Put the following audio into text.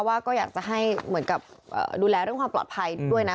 ว่าก็อยากจะให้เหมือนกับดูแลเรื่องความปลอดภัยด้วยนะ